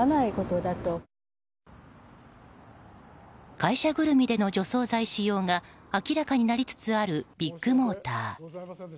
会社ぐるみでの除草剤使用が明らかになりつつあるビッグモーター。